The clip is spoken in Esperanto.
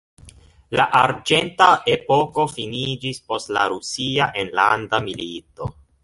La arĝenta epoko finiĝis post la rusia enlanda milito.